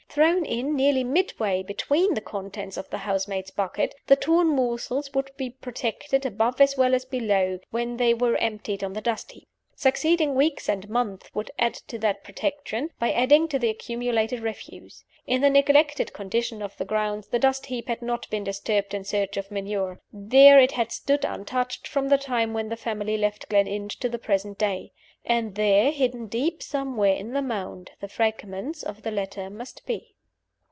Thrown in, nearly midway between the contents of the housemaid's bucket, the torn morsels would be protected above as well as below, when they were emptied on the dust heap. Succeeding weeks and months would add to that protection, by adding to the accumulated refuse. In the neglected condition of the grounds, the dust heap had not been disturbed in search of manure. There it had stood, untouched, from the time when the family left Gleninch to the present day. And there, hidden deep somewhere in the mound, the fragments of the letter must be.